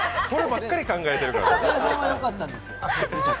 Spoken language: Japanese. そればっかり考えてるから。